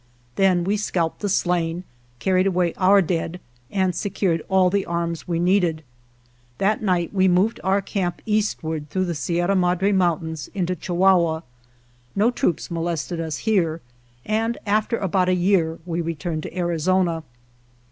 Then we scalped the slain, carried away our dead, and secured all the arms we needed. That night we moved our camp eastward through the Sierra Madre Mountains into Chihuahua. No troops molested us here and after about a year we returned to Arizona.